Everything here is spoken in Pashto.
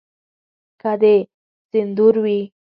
که د سندرو وي.